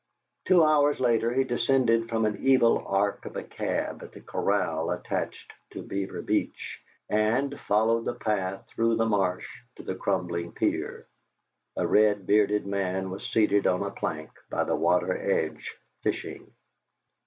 Two hours later he descended from an evil ark of a cab at the corral attached to Beaver Beach, and followed the path through the marsh to the crumbling pier. A red bearded man was seated on a plank by the water edge, fishing.